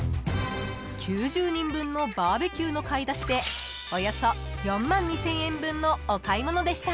［９０人分のバーベキューの買い出しでおよそ４万２，０００円分のお買い物でした］